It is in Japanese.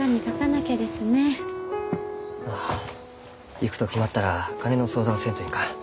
行くと決まったら金の相談せんといかん。